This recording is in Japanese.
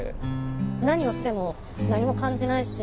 「何をしても何も感じないし」。